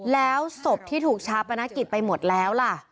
แล้วศพที่ถูกชาปนกิจไปหมดแล้วล่ะ